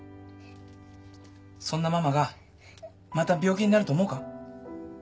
そんなママがまた病気になると思うか？